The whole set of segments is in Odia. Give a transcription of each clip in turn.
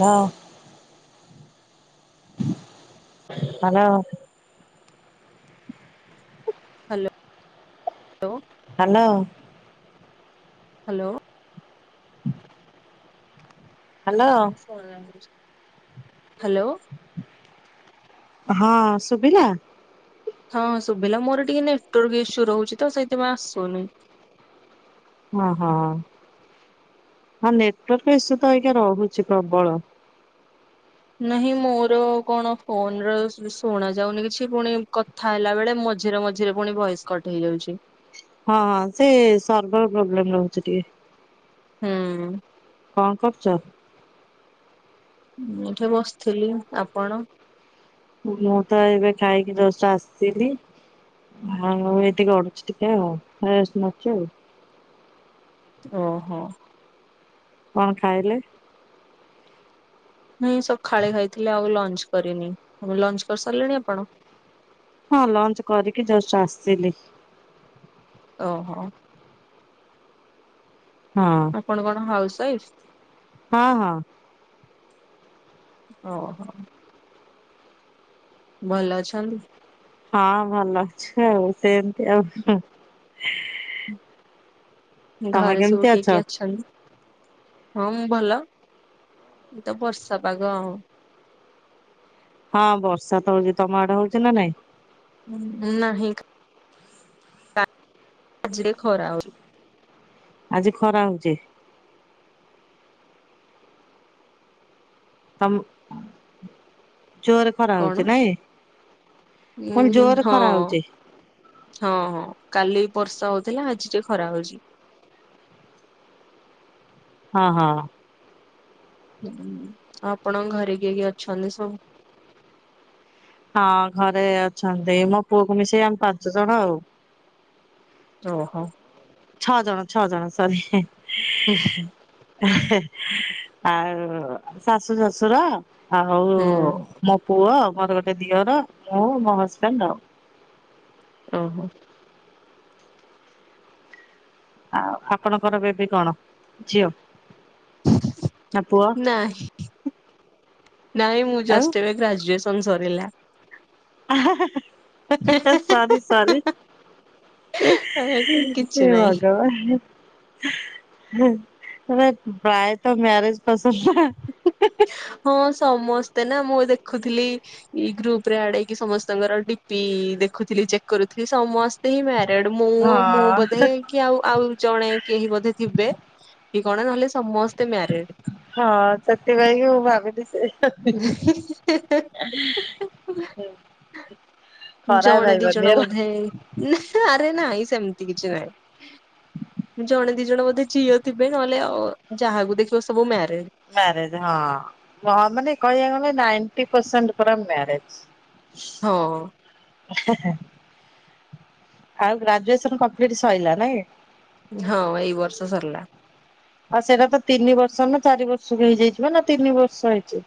Hello hello. Hello hello. Hello. Hello. Hello. ହଁ ସୁଭିଲା। ହଁ ଶୁଭିଲା ମୋର ଟିକେ ନେଟୱକ ଇସ୍ୟୁ ରହୁଛି ତ ସେଇଥିପାଇଁ ଆସୁନି। ଓହୋ ହଁ ନେଟୱାର୍କ ଇସ୍ୟୁ ତ ଆଜ୍ଞା ରହୁଛି ପ୍ରବଳ। ନାହିଁ ମୋର କଣ ଫୋନ ର ଶୁଣ ଯାଉନି କିଛି ପୁଣି କ ଥାଇଲା ବେଳେ ମଝିରେ ମଝିରେ ପୁଣି ଭହେସ୍କଟ ହେଇଯାଉଛି। ହଁ ହଁ ସେ ସର୍ଭର ପ୍ରୋବ୍ଲେମ ରହୁଛି ଟିକେ। ହୁଁ। କଣ କରୁଛ। ଏଠି ବସିଥିଲି ଆପଣ? ମୁଁ ତ ଏବେ ଖାଇକି ଜଷ୍ଟ ଆସିଲି। ହଁ ଏ ତିକ ଅଣଛି ଟିକେ ଆଉ ନଚ ଆଉ। ଓହୋ। କଣ ଖାଇଲେ? ନାଇଁ ସକାାଳେ ଖାଇଥିଲି ଆଉ ଲଞ୍ଚ କରିନି ଆ ଲଞ୍ଚ କରିସାରିଲେଣି ଆପଣ? ହଁ ଲଞ୍ଚ କରିକି ଜଷ୍ଟ ଆସିଲି। ଓହୋ। ହଁ ଆପଣ କଣ ହାଉସୱାଇଫ୍? ହଁ ହଁ। ଓହୋ। ଭଲ ଅଛନ୍ତି? ହଁ ଭଲ ଅଛୁ ଆଉ ସେମିତି ଆଉ। ତମେ ଘରେ କେମିତି ସବୁ ଅଛ? କିଏ କିଏ ଅଛନ୍ତି? ହଁ ମୁଁ ଭଲ ମୁ ତ ବର୍ଷା ପାଗ ଆଉ। ହଁ ବର୍ଷା ତ ହୋଉଚି ତମ ଆଡେ ହୋଉଚି ନା ନାଇଁ? ହୁଁ ନାହିଁ। ଆଜିରେ ଖରା ହୋଉଚି। ଆଜି ଖରା ହୋଉଚି। ତମ ଜୋରେ ଖରା କଣ ହୋଉଚି ନାଇଁ। ମୁଁ [unintelligible] ଉଁ ଜୋର ହଁ ଖରା ହୋଉଚି। ହଁ ହଁ କାଲି ବର୍ଷା ହୋଉଥିଲା ଆଜି ଟିକେ ଖରା ହୋଉଚି। ହଁ ହଁ। ହୁଁ ଆପଣଙ୍କ ଘରେ କିଏ କିଏ ଅଛନ୍ତି ସବୁ? ହଁ ଘରେ ଅଛନ୍ତି। ମୋ ପୁଅକୁ ମିଶେଇ ଆମେ ପାଞ୍ଚ ଜଣ ଆଉ। ଓହୋ। ଛଅ ଜଣ ଛଅ ଜଣ ସରି। ଉଁ ହୁଁ। ଆଉ ଶାଶୁ ଶଶୁର ଆଉ ହୁଁ ମୋ ପୁଅ ମୋର ଗୋଟେ ଦିଅର ମୁଁ ମୋ ହଜବେଣ୍ଡ ଆଉ। ଓହୋ। ଆଉ ଆପଣଙ୍କର ବେବି କଣ ଝିଅ? ନା ପୁଅ ନାହିଁ ନାଇଁ ମୁଁ ଆଉ ଜଷ୍ଟ ଏବେ ଗ୍ରାଜୁଏସ ବିକମ ସରିଲା। ସରି ସରି। କିଛି ହେ ନାହିଁ। ଭଗବାନ। [unintelligible] ଭାଇ ତ ମ୍ୟାରେଜ ପସନ୍ଦ ନା ହଁ ସମସ୍ତେ ନା ମୁଁ ଦେଖୁଥିଲି। ଏଇ ଗ୍ରୁପ ରେ ଆଡ ହେଇକି ସମସ୍ତଙ୍କର ଡିପି ଦେଖୁଥିଲି ଚେକ୍ କରୁଥିଲି ସମ ସ୍ତେ ହିଁ ମ୍ୟାରେଡ ମୁଁ ନା ମୁଁ ହଁ ବୋଧେ କିଏ ଆ-ଆଉ ଜଣେ କେହି ବୋଧେ ଥିବେ କି କଣ ନହେଲେ ସମସ୍ତେ ମ୍ୟାରେଡ। ହଁ ସେଥିପାଇଁ ମୁଁ ଭାବିଲି ସେ ହା [unintelligible] ଖରାପ ଭାବନି ହେଲା। ନା ଆରେ ନାଇଁ ସେମିତି କିଛି ନାହିଁ। ଜଣେ ଦି ଜଣ ବୋଧେ ଝିଅ ଥିବେ ନହେଲେ ଆ ଯାହାକୁ ଦେଖିବ ସବୁ ମ୍ୟାରେଡ। ମ୍ୟାରେଡ ହଁ ମାନେ କହିବା ଗଲେ ନାଇଣ୍ଟି ପରସେଣ୍ଟ ମାରେଡ। ହଁ। ଆଉ ଗ୍ରାଜୁଏସନ କମ୍ପ୍ଲିଟ ସରିଲା ନାଇଁ। ହଁ ଏଇ ବର୍ଷ ସରିଲା। ଆଉ ସେଟା ତ ତିନି ବର୍ଷ ନା ଚାରି ବର୍ଷକୁ ହେଇଯାଇଚି ପା ନା ତିନି ବର୍ଷ ହେଇଚି।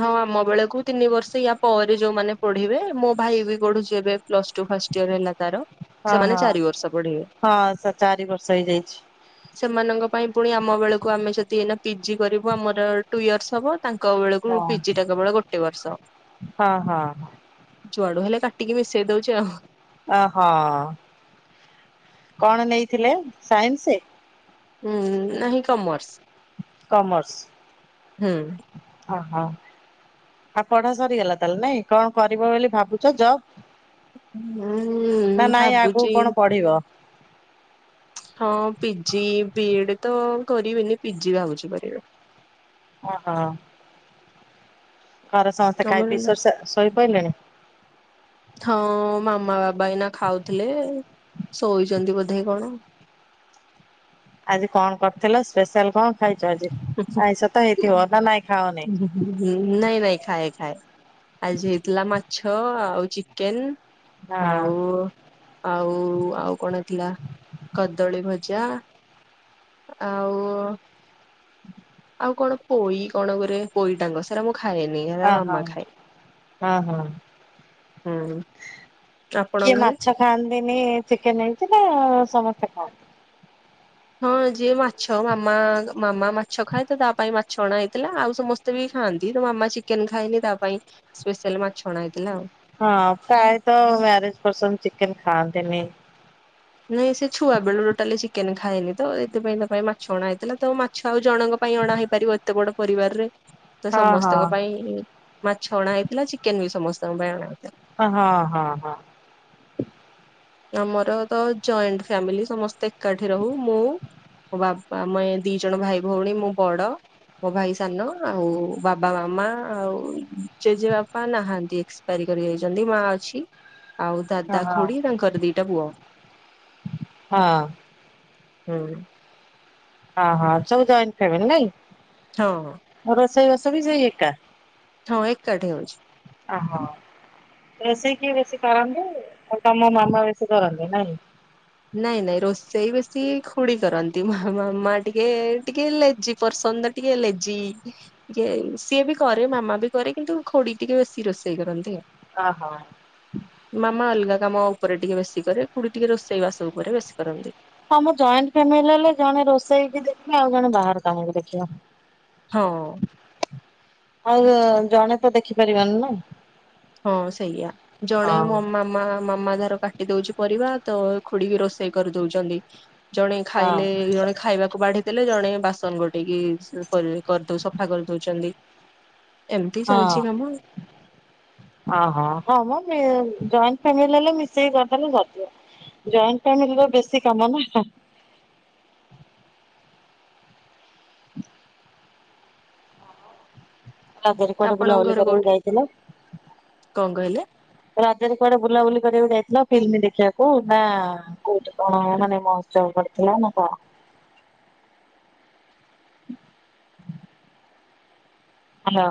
ହଁ ଆମ ବେଳକୁ ତିନି ବର୍ଷ ୟାପରେ ଯୋଉମାନେ ପଢିବେ ମୋ ଭାଇ ବି ପଢୁଚି ଏବେ ପ୍ଲସ ଟୁ ଫାଷ୍ଟ ଇୟର ହେଲା ତାର ହଁ ସେମାନେ ହଁ ଚାରି ବର୍ଷ ପଢିବେ। ହଁ ସ ଚା ଚାରି ବର୍ଷ ହେଇଯାଇଚି। ସେମାନଙ୍କ ପାଇଁ ପୁଣି ଆମ ବେଳକୁ ଆମେ ଯଦି ଏଇନା ପିଜି କରିବୁ ଆମର ଟୁ ଇୟର୍ସ ହବ ତା ଙ୍କ ବେଳକୁ ହଁ ପିଜିଟା କେବେଳ ଗୋଟେ ବର୍ଷ। ହଁ ହଁ। ଯୁଆଡୁ ହେଲେ କାଟିକି ମିଶେଇ ଦୋଉଚି ଆଉ। ଓହୋ କଣ ନେଇଥିଲେ ସାଇନ୍ସ? ହୁଁ ନାହିଁ କମର୍ସ। କମର୍ସ ହୁଁ। ଅ ହ। ଆଉ ପଢା ସରିଗଲା ତାହେଲେ ନାଇଁ କଣ କରିବ ବୋଲି ଭାବୁଛ ଜବ୍। ନା ହୁଁ ନାଇଁ ଆଗକୁ ଭାବୁଛି କଣ ପଢିବ? ହଁ ପିଜି ବି ଏଡ ତ କରିବେନି ପିଜି ଭାବୁଛି କରିବେ। ଓହୋ। ଘରେ ସମସ୍ତେ ଖାଇ ତମର ପି ନା ସୋ ଶୋଇ ପଇଲେଣି? ହଁ ମାମା ବାବା ଏଇନା ଖାଉଥିଲେ ଶୋଇଛନ୍ତି ବୋଧେ କଣ। ଆଜି କଣ କରିଥିଲ ସ୍ପେଶାଲ କଣ ଖାଇଛ ଆଜି ଆଇଷତ ହେଇଥିବ ନା ନାଇଁ ଖାଓନି? ନାଇଁ ନାଇଁ ଖାଏ ଖାଏ ଆଜି ହେଇଥିଲା ମାଛ ଆଉ ଚିକେନ। ହଁ। ଆଉ ଆଉ ଆଉ କଣ ଥିଲା କଦଳୀ ଭଜା। ଆଉ। ହ ଆଉ କଣ ପୋଇ କଣ କରେ ପୋଇ ଡାଙ୍ଗ ସେରା ମୁଁ ଖାଏନି ସେଟା ହଁ ହଁ ମାମା ଖାଏ। ହଁ ହଁ। ହୁଁ ଆପଣଙ୍କ ଘରେ। ଖାନ୍ତିିନି ଚିକେନ ହେଇଥିଲା ନା ସମସ୍ତେ ଖାଅ। ହଁ ଯିଏ ମାଛ ମାମା ମାମା ମାଛ ଖାଏ ତ ତା ପାଇଁ ମାଛ। ଛଣା ହେଇଥିଲା ଆଉ ସମସ୍ତେ ବି ଖାଆନ୍ତି ତୋ ମାମା ଚିକେନ ଖାଇନି ତା ପାଇଁ ସ୍ପେଶାଲ ମାଛଣା ହେଇଥିଲା ଆଉ। ହଁ ପ୍ରାୟ ତ ମ୍ୟାରଜ ପସନ ଚିକେନ ଖାଆନ୍ତିନି। ନାଇଁ ସେ ଛୁଆ ବେଳରୁ ଟୋଟାଲି ଚିକେନ ଖାଏନି ତ ଏଇଥି ପାଇଁ ତା ପାଇଁ ମାଛଣା ହେଇଥିଲା ତ ମା ଛୁଆଉ ଜଣଙ୍କ ପାଇଁ ଅଣା ହେଇ ପାରିବ ଏତେ ବଡ ପରିବାର ରେ ତ ହଁ ହଁ ସମସ୍ତଙ୍କ ପାଇଁ ମାଛ ଅଣା ହେଇଥିଲା ଚିକେନ ବି ସମସ୍ତଙ୍କ ପାଇଁ ଅଣା ହେଇଥିଲା। ହଁ ହଁ ହଁ। ଆମର ତ ଜଏଣ୍ଟ ଫ୍ୟାମିଲି ସମସ୍ତେ ଏକାଠି ରହୁ ମୁଁ ମୋ ବାପା ମାଆ ଦି ଜଣ ଭାଇ ଭଉଣୀ ମୁଁ ବଡ। ମୋ ଭାଇ ସାନ ଆଉ ବାବା ମାମା ଆଉ ଜେଜେବାପା ନାହାନ୍ତି। କରି କରି ଯାଇଛନ୍ତି ମାଆ ଅଛି। ଆଉ ହଁ ଦାଦା ହଁ। ଖୁଡି ତାଙ୍କର ଦିଟା ପୁଅ। ହଁ ହୁଁ। ହଁ ହଁ ସବୁ ଜଏଣ୍ଟ ଫ୍ୟାମିଲି ନାଇଁ? ହୋଉ ହୋଉ। ରୋଷେଇ ବାସ ବି ସେଇ ଏକା। ହଁ ଏକାଠି ହୋଉଛି। ଅହ। ରୋଷେଇ କିଏ ବେଶୀ କରନ୍ତି ଆଉ ତମ ମାମା ବେଶୀ କରନ୍ତି ନାଇଁ? ନାଇଁ ନାଇଁ ରୋଷେଇ ବେଶୀ ଖୁଡି କରନ୍ତି ମାମା ଟିକେ ଟିକେ ଲେଜି ପର୍ସନ। ଟିକେ ଲେଜୀ। ଜେ ସିଏ ବି କରେ ମାମା ବି କରେ କିନ୍ତୁ ଖୁଡି ଟିକେ ବେଶୀ ରୋଷେଇ କରନ୍ତି ଆଉ। ଅହ। ମାମା ଅଲଗା କାମ ଉପରେ ଟିକେ ବେଶୀ କରେ ଖୁଡି ଟିକେ ରୋଷେଇ ବାସ ଉପରେ ବେଶୀ କରନ୍ତି। ହଁ ମ ଜଏଣ୍ଟ ଫ୍ୟାମିଲି ହେଲେ ଜଣେ ରୋଷେଇ ବି ଦେଖିବା ଆଉ ଜଣେ ବାହାର କାମ କୁ ଦେଖିବ। ହୋଉ। ଆଉ ଜଣେ ତ ଦେଖିପାରିବନି ନା? ହଁ ସେଇଆ ଜଣେ ହଁ ମୋ ମାମା ମାମା ତାର କାଟି ଦଉଛି ପରିବା ତ ଖୁଡିକି ରୋଷେଇ କରିଦଉଛନ୍ତି। ଜଣେ ହଁ ଖାଇଲେ ଜଣେ ଖାଇବାକୁ ବାଢିଥିଲେ ଜଣେ ବାସନ ଗୋଟେକି କରିଦଉ ସଫା କରିଦଉଛନ୍ତି। ଏମିତି ଚାଲିଛି କାମ। ଓହୋ ହଁ ମ ଜଏଣ୍ଟ ଫାମିଲ ହେଲେ ମିଶେଇକି କରିଦେଲେ ସରିଯିବ। ଜଏଣ୍ଟ ଫ୍ୟାମିଲି ର ବେଶୀ କାମ ନା। [inaudible] ଧିରେ କୁଆଡେ ବୁଲା ଆପଣଙ୍କ ବୁଲି ଘର କରିବାକୁ କୋଉଠି ଯାଇଥିଲ? କଣ କହିଲେ? ରଜରେ କୁଆଡେ ବୁଲାବୁଲି କରିବାକୁ ଯାଇଥିଲ ଫିଲ୍ମ ଦେଖିବାକୁ ନା କୋଉଠି କଣ ମାନେ ମୋହଶ୍ଚବ ପଡିଥିଲା ନା କଣ? ହାଲୋ।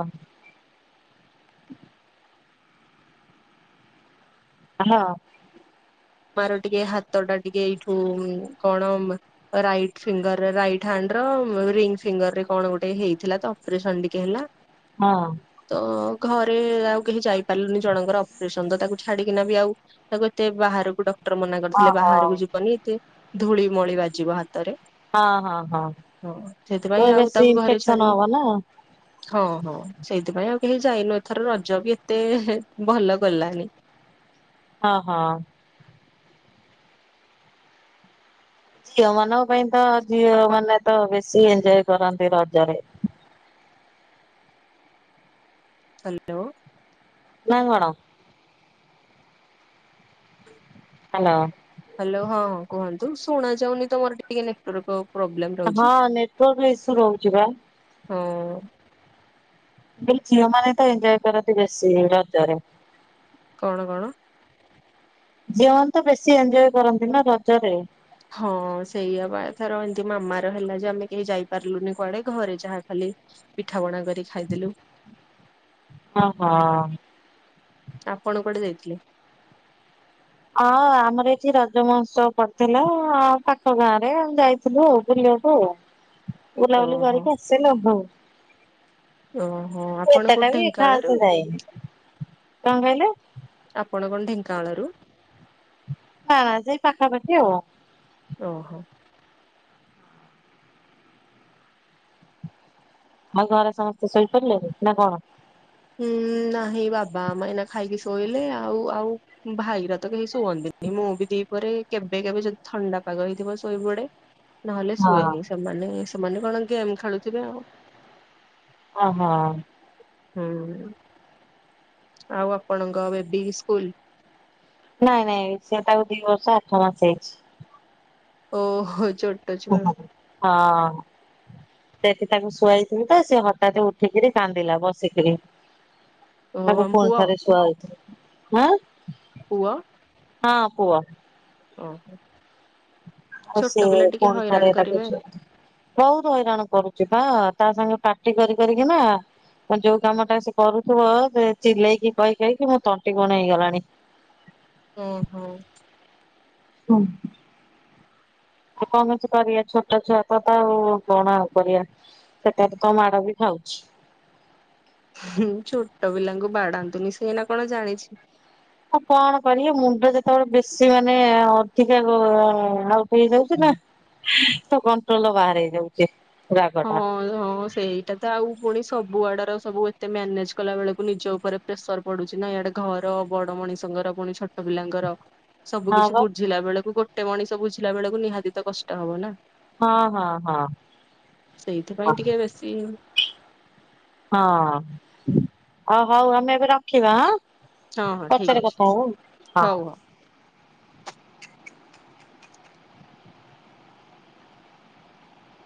ହାଲୋ। ମାର ଟିକେ ହାତ ଟା ଟିକେ ଏଇଠୁ କଣ ରାଇଟ ଫିଙ୍ଗରରେ ରାଇଟ୍ ହ୍ୟାଣ୍ଡ ର ରିଙ୍ଗ ଫିଙ୍ଗରରେ କଣ ଗୋଟେ ହେଇଥିଲା ତ। ପରେଶନ ଟିକେ ହେଲା। ହଁ। ତ ଘରେ ଆଉ କେହି ଯାଇପାରିଲୁନି। ଜଣଙ୍କର ଅପରେସନ ତ ତାକୁ ଛାଡିକିନା ବି ଆଉ ତାକୁ ଏତେ ବାହାରକୁ କ୍ଟର ମନା କରିଥିଲେ ଓହୋ। ବାହାରକୁ ଯିବନି ଏତେ ଧୂଳି ମଳି ବାଜିବ ହାତରେ ହଁ ହଁ ହଁ ହ ସେଥିପାଇଁ ଆଉ ବେଶୀ ତାକୁ ଘରେ ଇନଫେକ୍ସନ ଛାଡିକି ହବ ନା ହଁ ହଁ। ସେଇଥିପାଇଁ ଆଉ କେହି ଯାଇନୁ ଏଥର ରଜ ବି ଏତେ ଭଲ ଗଲାନି। ହଁ ହଁ। ଝିଅ ମାନଙ୍କ ପାଇଁ ତ ଝିଅ ଆପଣ ମାନେ ତ ବେଶୀ ଏଞଜୟ କରନ୍ତି ରଜରେ। ହା ଲୋ। ନା କଣ? ହାଲୋ। ହାଲୋ ହଁ ହଁ କୁହନ୍ତୁ ଶୁଣା ଯାଉନି ତମର ଟିକେ ନେଟୱାର୍କ କ ପ୍ରୋବ୍ଲେମ? ରହୁଛି। ହଁ ନେଟୱାର୍କ ଇସୁ ରହୁଚି ବା। ହଁ। ବି ଝିଅ ମାନେ ତ ଏନଜୟ କରନ୍ତି ବେଶୀ ରଜରେ। କଣ କଣ? ଝିଅମାନେ ତ ବେଶୀ ଏଞ୍ଜୟ କରନ୍ତି ନା ରଜରେ? ହଁ ସେଇଆ ବା ଏଥର ଏମିତି ମାମାର ହେଲା ଯେ ଆମେ କେହି ଯାଇପାରିଲୁନି କୁଆଡେ ଘରେ ଯାହା ଖାଲି ପିଠାପଣା କରି ଖାଇଦେଲୁ। ହଁ ହଁ। ଆପଣ କୁଆଡ଼େ ଯାଇଥିଲେ? ହଁ ଆମର ଏଠି ରଜ ମହୋତ୍ସବ ପଡିଥିଲା ପାଖ ଗାଁ ରେ ଆମେ ଯାଇଥିଲୁ ଆଉ। ବୁଲିବାକୁ ବୁଲାବୁଲି ଓହୋ କରିକି ଆସେନ ହଉ। ଓହୋ ଆପଣ ଏତେଟା କୋଉଠି ବି ଢେଙ୍କାନାଳରୁ ଖାସ ନାଇ କଣ କହିଲୁ? ଆପଣ କଣ ଢେଙ୍କାନାଳରୁ? ହଁ ସେଇ ପାଖାପାଖି ଆଉ। ଓହୋ। ଆମ କଣ ସମସ୍ତେ ଶୋଇପଡିଲେଣି ନା କଣ? ହୁଁ ନାହିଁ ବାବା ମା ଏଇନା ଖାଇକି ଶୋଇଲେ ଆଉ ଆଉ ଭାଇର ତ କେହି ଶୁଅନ୍ତିନି ମୁଁ ବି ଦିପହରେ କେବେ କେବେ ଯଦି ଥଣ୍ଡା ପାଗ ହେଇଥିବ ଶୋଇ ପଡେ। ନହେଲେ ହଁ ଶୁଏନି ସେମାନେ ସେମାନେ କଣ ଗେମ୍ ଖେଳୁଥିବେ ଆଉ। ଓହୋ। ହୁଁ। ଆଉ ଆପଣଙ୍କ ଏବେ ବି ସ୍କୁଲ? ନାଇଁ ନାଇଁ ସେଟାକୁ ଦିଇ ବର୍ଷ ଆଠ ମାସ ହେଇଚି। ଓହୋ ଚୋ ହଁ। ସେଠି ତାକୁ ଶୁଆଇଥିଲି ତ ସେ ହଠାତ ଉଠିକିରି କାନ୍ଦିଲା ବସିକିରି। ଓହୋ ତାକୁ ଆମ ପୁଅ ପୁଣିଥରେ ସୁଆଉଥରେ ହା। ପୁଅ। ହଁ ପୁଅ। ଓହୋ। ଆଉ ସେ ଛୋଟ ପିଲା ଟିକେ ପୁଣି ଥରେ ହଇରାଣ ତାକୁ କରିବେ ସୁଆ ବହୁତ ହଇରାଣ କରୁଛି ବା ତା ସାଙ୍ଗେ ପାଟି କରି କରିକିନା ଯୋଉ କାମଟା ସେ କରୁଥିବ ସେ ଚିଲେଇକି କହି କହିକି ମୋ ତଣ୍ଟି କଣ ହେଇଗଲାଣି। ହୁଁ ହଁ। ହଁ। କଣ କିଛି କରିବା ଛୋଟ ଛୁଆ ତ ତ ଆଉ କଣ ଆଉ କରିବା। ସେଟା ବି ତ ମାଡ ବି ଖାଉଛି। ହୁଁ ଛୋଟ ପିଲାଙ୍କୁ ବାଡାନ୍ତୁନି ସେ ଏନା କଣ ଜାଣିଛି? ଆଁ କଣ କରିବି ମୁଣ୍ଡ ଯେତେବେଳେ ବେଶୀ ମାନେ ଅଧିକା ଗ ଆଉ ହେଇଯାଉଛି ନା ତ କଣ୍ଟ୍ରୋଲ ବାହାର ହେଇଯାଉଛି। ରାଗ ଟା ହଁ ହଁ ସେଇ ଏଟା ତ ଆଉ ପୁଣି ସବୁ ଆଡର ସବୁ ଏତେ ମ୍ୟାନେଜ କଲା ବେଳକୁ ନିଜ ଉପରେ ପ୍ରେସର ପଡୁଛି ନା ଏଆଡେ ଘର ବଡ ମଣିଷଙ୍କର ପୁଣି ଛୋଟ ପିଲାଙ୍କର। ସବୁ ହଁ କିିଛି ବା ବୁଝିଲା ବେଳକୁ ଗୋଟେ ମଣିଷ ବୁଝିଲା ବେଳକୁ ନିହାତି ତ କଷ୍ଟ ହବ ନା। ହଁ ହଁ ହଁ। ହଁ ସେଇଥିପାଇଁ ଟିକେ ବେଶୀ ହଁ ଓ ହଉ ଆମେ ଏବେ ରଖିବା ଆଁ। ହଁ ହଁ ଠିକ ପଚରେ ଅଛି କଥା ହୋବୁ ହଁ। ହଉ ହଉ।